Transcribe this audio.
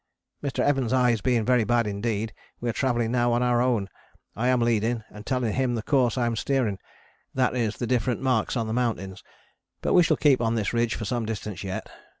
Mr. Evans' eyes being very bad indeed, we are travelling now on our own, I am leading and telling him the course I am steering, that is the different marks on the mountains, but we shall keep on this ridge for some distance yet.